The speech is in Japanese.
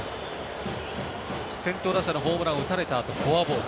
先頭打者のホームランを打たれたあと、フォアボール。